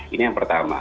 ini yang pertama